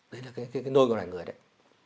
đấy là cái nôi của loài người đấy